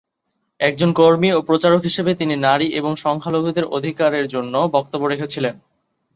একজন কর্মী ও প্রচারক হিসাবে তিনি নারী এবং সংখ্যালঘুদের অধিকারের জন্য বক্তব্য রেখেছিলেন।